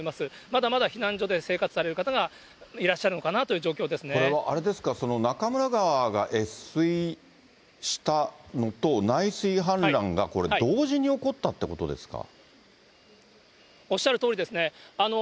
まだまだ避難所で生活される方がいらっしゃるのかなという状況でこれはあれですか、中村川が越水したのと、内水氾濫が、おっしゃるとおりですね。